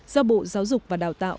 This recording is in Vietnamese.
do bộ giáo dục và đào tạo